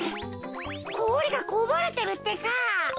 こおりがこぼれてるってか。